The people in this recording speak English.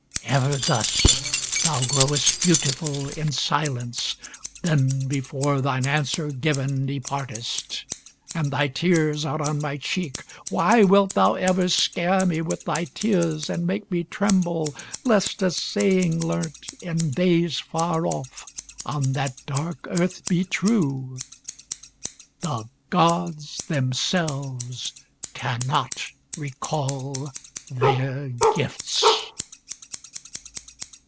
ever thus thou growest beautiful In silence, then before thine answer given Departest, and thy tears are on my cheek. Why wilt thou ever scare me with thy tears, And make me tremble lest a saying learnt, In days far off, on that dark earth, be true? 'The Gods themselves cannot recall their gifts.'